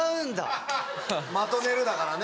「まとめる」だからね。